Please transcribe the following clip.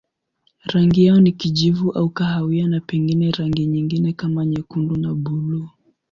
Rangi yao ni kijivu au kahawia na pengine rangi nyingine kama nyekundu na buluu.